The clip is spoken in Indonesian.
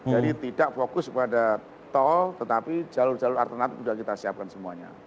jadi tidak fokus pada tol tetapi jalur jalur alternatif sudah kita siapkan semuanya